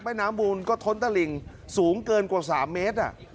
น้ำมูลก็ท้นตะหลิ่งสูงเกินกว่า๓เมตร